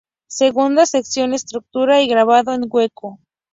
Segunda sección: Escultura y Grabado en hueco.